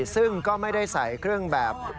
ซึ่งก็ไม่ได้ใส่เครื่องแบบ